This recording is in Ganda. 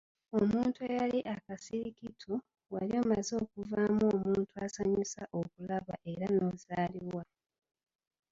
Omuntu eyali akasirikitu, wali omaze okuvaamu omuntu asanyusa okulaba era n'ozaalibwa.